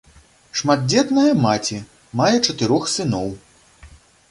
Шматдзетная маці, мае чатырох сыноў.